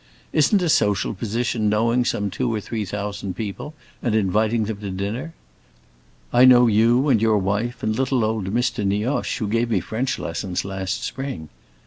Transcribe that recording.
Isn't a social position knowing some two or three thousand people and inviting them to dinner? I know you and your wife and little old Mr. Nioche, who gave me French lessons last spring.